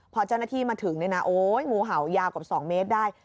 พอเจ้าหน้าที่มาถึงงูเห่ายากกว่า๒เมตรได้